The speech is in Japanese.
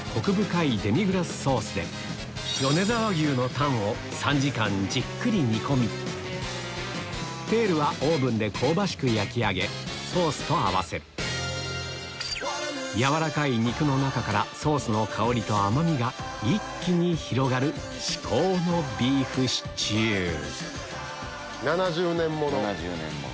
創業以来３時間じっくり煮込みテールはオーブンで香ばしく焼き上げソースと合わせる軟らかい肉の中からソースの香りと甘みが一気に広がる至高のビーフシチュー７０年物。